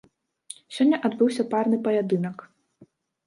Сёння адбыўся парны паядынак.